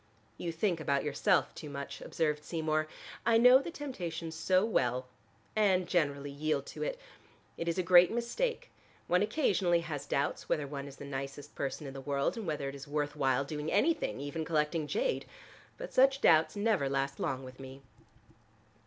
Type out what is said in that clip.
"You think about yourself too much," observed Seymour. "I know the temptation so well, and generally yield to it. It is a great mistake: one occasionally has doubts whether one is the nicest person in the world and whether it is worth while doing anything, even collecting jade. But such doubts never last long with me."